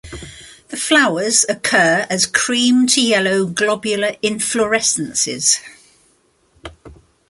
The flowers occur as cream to yellow globular inflorescences.